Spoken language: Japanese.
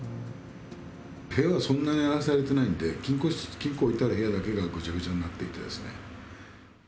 部屋はそんなに荒らされてないんで、金庫室、金庫置いてある部屋だけがぐちゃぐちゃになっていてですね。